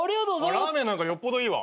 ラーメンなんかよりよっぽどいいわ。